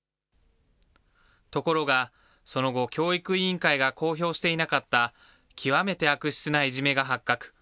ところがその後、教育委員会が公表していなかった極めて悪質ないじめが発覚。